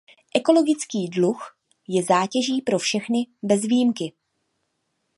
Ekologický dluh je zátěží pro všechny bez výjimky.